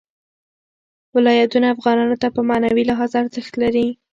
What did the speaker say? ولایتونه افغانانو ته په معنوي لحاظ ارزښت لري.